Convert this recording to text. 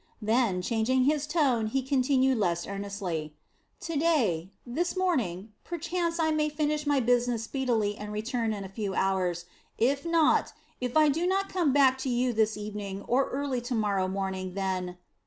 Then, changing his tone, he continued less earnestly. "To day this morning perchance I may finish my business speedily and return in a few hours. If not, if I do not come back to you this evening or early to morrow morning, then...."